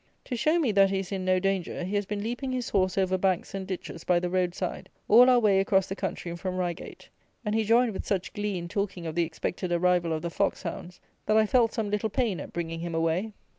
To show me that he is in no danger, he has been leaping his horse over banks and ditches by the road side, all our way across the country from Reigate; and he joined with such glee in talking of the expected arrival of the fox hounds, that I felt some little pain at bringing him away.